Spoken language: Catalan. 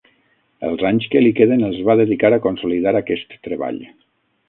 Els anys que li queden els va dedicar a consolidar aquest treball.